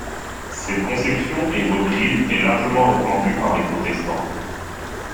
Cette conception et reprise et largement répandue par les protestants.